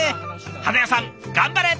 花屋さん頑張れ！